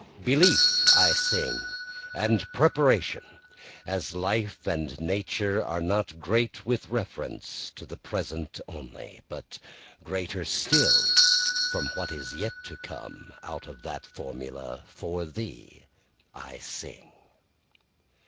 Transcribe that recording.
Belief I sing, and preparation; As Life and Nature are not great with reference to the present only, But greater still from what is yet to come, Out of that formula for thee I sing.